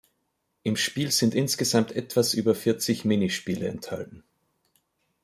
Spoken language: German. Im Spiel sind insgesamt etwas über vierzig Minispiele enthalten.